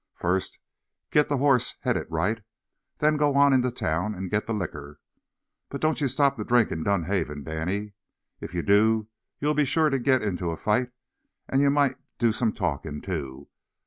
"First, get the horse headed right, then go on into town and get the liquor. But don't ye stop to drink in Dunhaven, Danny. If ye do, ye'll be sure to git inter a fight, and ye might do some talkin' too.